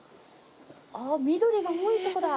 あっ緑が多いとこだ。